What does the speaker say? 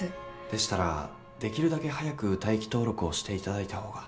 でしたらできるだけ早く待機登録をしていただいた方が。